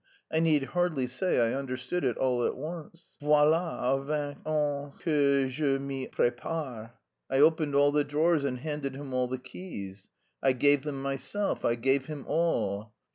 I need hardly say I understood it all at once. Voilà vingt ans que je m'y prépare. I opened all the drawers and handed him all the keys; I gave them myself, I gave him all.